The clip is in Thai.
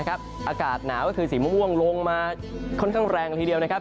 อากาศหนาวก็คือสีม่วงลงมาค่อนข้างแรงละทีเดียวนะครับ